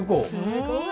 すごい。